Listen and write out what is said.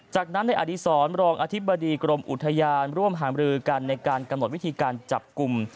จากนั้นในอดีศรรองอธิบดีกรมอุทยานร่วมหามรือกันในการกำหนดวิธีการจับกลุ่ม